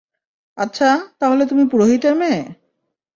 আচ্ছা, তাহলে তুমি পুরোহিতের মেয়ে?